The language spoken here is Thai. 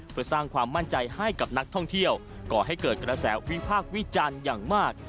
เพื่อสร้างความมั่นใจให้กับนักท่องเที่ยวก่อให้เกิดกระแสวิพากษ์วิจารณ์อย่างมาก